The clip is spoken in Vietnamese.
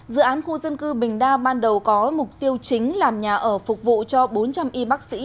dự án khu dân cư bình đa ban đầu có mục tiêu chính làm nhà ở phục vụ cho bốn trăm linh y bác sĩ